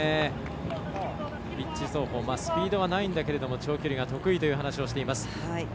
ピッチ走法スピードはないんだけれども得意という話をしています。